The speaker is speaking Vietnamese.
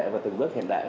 và từng bước hiện đại